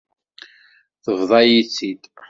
Tebḍa-yi-tt-id.